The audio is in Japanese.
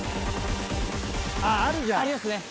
ありますね